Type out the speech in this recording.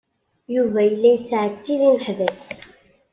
Yuba yella yettɛettib imeḥbas.